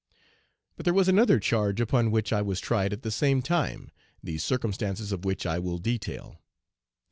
"But there was another charge upon which I was tried at the same time, the circumstances of which I will detail.